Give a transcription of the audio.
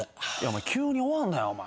急に終わんなよお前。